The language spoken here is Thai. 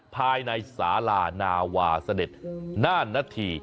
ภายในสาระนาวาสเด็จนาธิ